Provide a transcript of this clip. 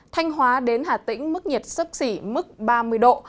thanh hóa đến hà tĩnh mức nhiệt sấp xỉ mức ba mươi độ